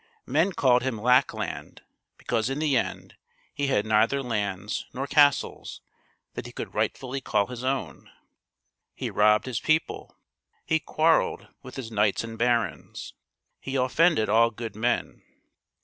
Men called him Lackland, because in the end he had neither lands nor castles that he could right fully call his own. He robbed his people. He quarreled with his knights and barons. He offended all good men.